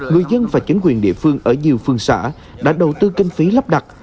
người dân và chính quyền địa phương ở nhiều phương xã đã đầu tư kinh phí lắp đặt